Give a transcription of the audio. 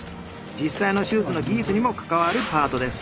実際の手術の技術にも関わるパートです。